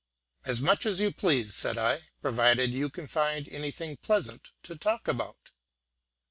"As much as you please," said I, "provided you can find anything pleasant to talk about."